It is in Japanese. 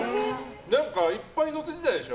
いっぱいのせてたでしょ。